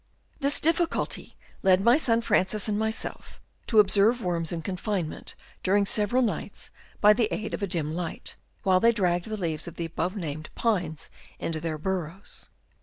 This difficulty led my son Francis and my self to observe worms in confinement during several nights by the aid of a dim light, while they dragged the leaves of the above named pines into their burrows.